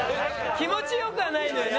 気持ち良くはないのよね。